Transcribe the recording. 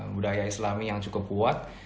budaya islami yang cukup kuat